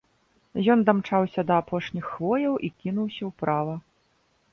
Ён дамчаўся да апошніх хвояў і кінуўся ўправа.